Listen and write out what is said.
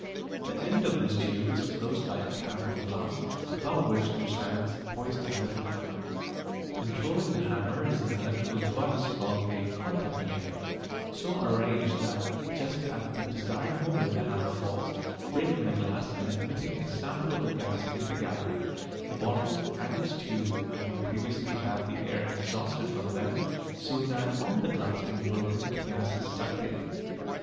The end of this tube is closed by a cap of glass above which there stands poised a little hammer. Controlling the hammer is an electrical device called a "contact maker," so arranged that just at the desired moment the hammer falls, breaking the glass, and admitting a sample of the gas in the gallery, the bottle and its tube having previously had the air exhausted from them, so that on the glass being broken the gas is sucked in.